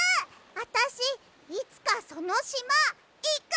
あたしいつかそのしまいく！